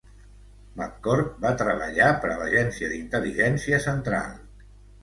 McCord va treballar per l"Agència d"Intel·ligència Central.